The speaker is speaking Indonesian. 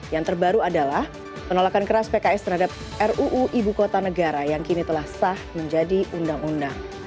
yang terbaru adalah penolakan keras pks terhadap ruu ibu kota negara yang kini telah sah menjadi undang undang